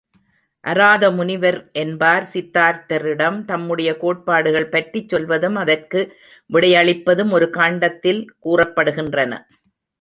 அராதமுனிவர் என்பார் சித்தார்த்தரிடம் தம்முடைய கோட்பாடுகள் பற்றிச் சொல்வதும் அதற்கு அவர் விடையளிப்பதும் ஒரு காண்டத்தில் கூறப்படுகின்றன.